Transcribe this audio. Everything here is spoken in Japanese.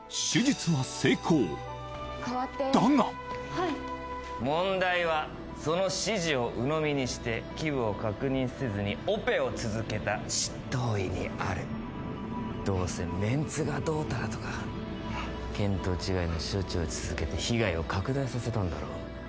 邪魔だが問題はその指示をうのみにして基部を確認せずにオペを続けた執刀医にあるどうせメンツがどうたらとか見当違いの処置を続けて被害を拡大させたんだろ？